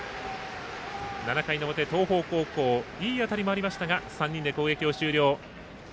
７回の表、東邦高校いい当たりもありましたが３人で攻撃を終了。